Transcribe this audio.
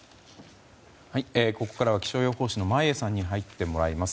ここからは気象予報士の眞家さんに入ってもらいます。